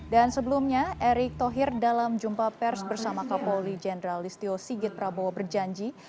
dan sebelumnya erick thohir dalam jumpa pers bersama kapolri jenderal listio sigit prabowo berjanji